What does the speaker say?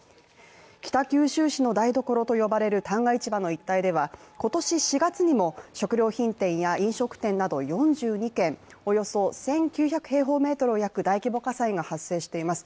北九州市の台所と呼ばれる旦過市場の一帯では今年４月にも、食料品店や飲食店など４２軒およそ１９００平方メートルを焼く大規模火災が発生しています。